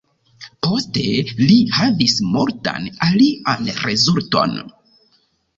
Poste li havis multan alian rezulton.